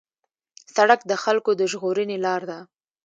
سړک د خلکو د ژغورنې لار ده.